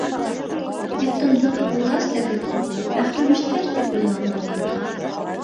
— Детдомдыҡы булғас та беҙҙе мәхрүмештәр тип уйламағыҙ!